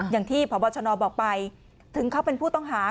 อย่างที่ผปโชนอบองตาลบอกไป